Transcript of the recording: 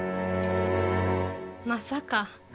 まさか。